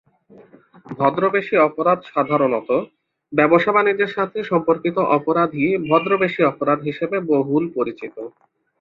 ভদ্রবেশী অপরাধ সাধারণত ব্যবসাবাণিজ্যের সাথে সম্পর্কিত অপরাধই ভদ্রবেশী অপরাধ হিসেবে বহুল পরিচিত।